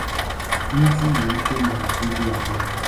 Nzi weupe ni wadudu wadogo.